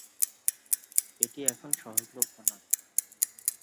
এটি এখন সহজলভ্য নয়।